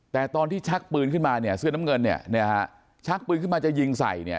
แต่ตอนที่ชักปืนขึ้นมาเนี่ยเสื้อน้ำเงินเนี่ยฮะชักปืนขึ้นมาจะยิงใส่เนี่ย